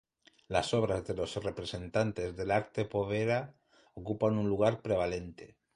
Las obras de los representantes del Arte Povera ocupan un lugar prevalente.